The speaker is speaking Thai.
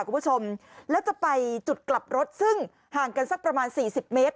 คุณผู้ชมแล้วจะไปจุดกลับรถซึ่งห่างกันสักประมาณสี่สิบเมตร